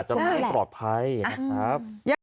จะไม่ปลอดภัยนะครับ